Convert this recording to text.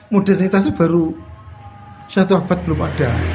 modernitasnya baru satu abad belum ada